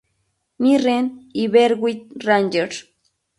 Mirren y Berwick Rangers.